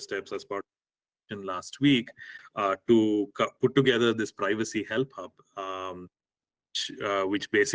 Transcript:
untuk menempatkan pemimpin pemimpin privasi ini